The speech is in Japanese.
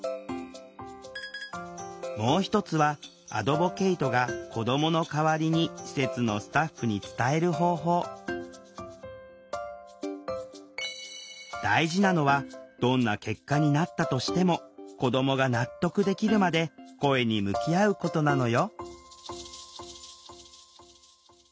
もう一つはアドボケイトが子どもの代わりに施設のスタッフに伝える方法大事なのはどんな結果になったとしても子どもが納得できるまで声に向き合うことなのよ